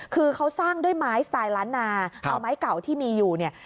คือเขาสร้างด้วยไม้สไตล์ล้านนาเอาไม้เก่าที่มีอยู่เนี่ย